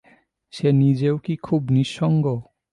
সে নিজেও কি খুব নিঃসঙ্গ?